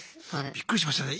びっくりしましたね